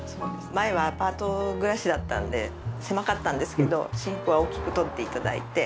前はアパート暮らしだったので狭かったんですけどシンクは大きく取って頂いて。